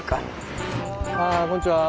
ああこんちは。